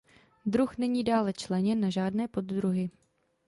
Druh není dále členěn na žádné poddruhy.